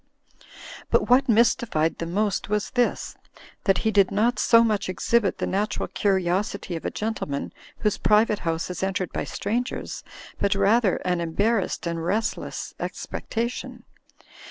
But what mystified them most was this, that he did not so much exhibit the natural curiosity of a gentle man whose private house is entered by strangers, but rather an embarrassed and restless expectation.